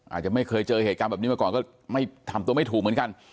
อาจจะไม่เคยเจอเหตุการณ์แบบนี้มาก่อนก็ไม่ทำตัวไม่ถูกเหมือนกัน